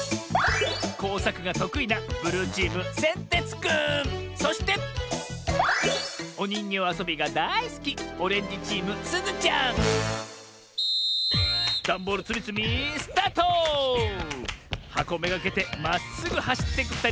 こうさくがとくいなそしておにんぎょうあそびがだいすきダンボールつみつみスタート！はこめがけてまっすぐはしっていくふたり